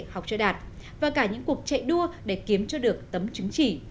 học cho đạt và cả những cuộc chạy đua để kiếm cho được tấm chứng chỉ